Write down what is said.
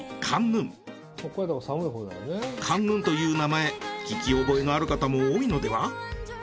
カンヌンという名前聞き覚えのある方も多いのでは？